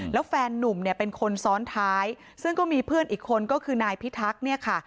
แล้วแฟนนุ่มเนี่ยเป็นคนซ้อนท้ายซึ่งก็มีเพื่อนอีกคนก็คือนายพิทักษ์เนี่ยค่ะ